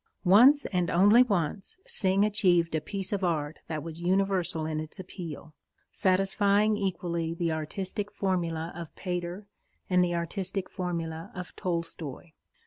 Once and once only Synge achieved a piece of art that was universal in its appeal, satisfying equally the artistic formula of Pater and the artistic formula of Tolstoi.